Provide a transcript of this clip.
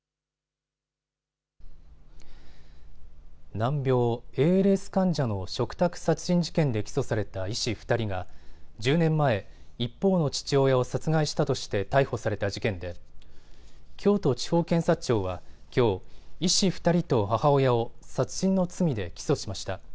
難病、ＡＬＳ患者の嘱託殺人事件で起訴された医師２人が１０年前、一方の父親を殺害したとして逮捕された事件で京都地方検察庁はきょう医師２人と母親を殺人の罪で起訴しました。